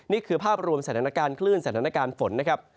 นี่คือภาพรวมสถานการณ์คลื่นสถานการณ์ฝนนะครับ